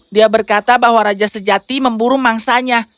dia berkata bahwa raja sejati memburu mangsanya